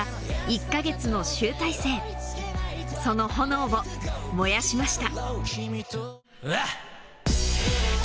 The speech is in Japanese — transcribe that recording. その炎を燃やしました